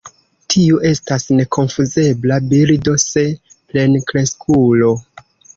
Tiu estas nekonfuzebla birdo se plenkreskulo.